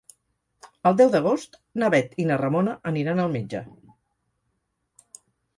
El deu d'agost na Bet i na Ramona aniran al metge.